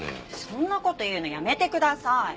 そんな事言うのやめてください。